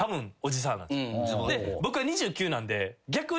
僕は２９なんで逆に。